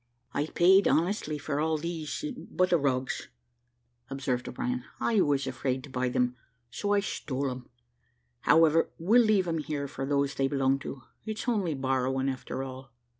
"I paid honestly for all but these rugs," observed O'Brien; "I was afraid to buy them, so I stole them. However, we'll leave them here for those they belong to it's only borrowing, after all."